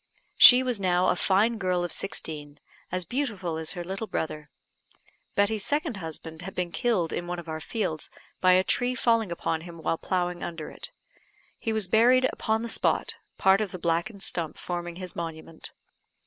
She was now a fine girl of sixteen, as beautiful as her little brother. Betty's second husband had been killed in one of our fields by a tree falling upon him while ploughing under it. He was buried upon the spot, part of the blackened stump forming his monument.